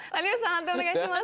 判定お願いします。